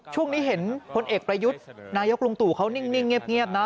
ช่วงนี้เห็นพลเอกประยุทธ์นายกลุงตู่เขานิ่งเงียบนะ